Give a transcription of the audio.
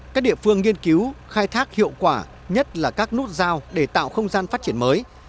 các địa phương nghiên cứu khai thác hiệu quả nhất là các nút giao để tạo không gian phát triển mới